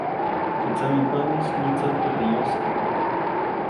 Teʼ tsamepäʼnis nyitsäjku teʼ yoskuʼy.